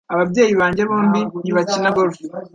Ababyeyi banjye bombi ntibakina golf.